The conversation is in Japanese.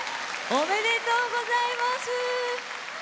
おめでとうございます。